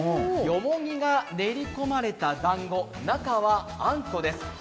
よもぎが練り込まれただんご中はあんこです。